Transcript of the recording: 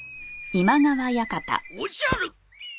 おじゃる！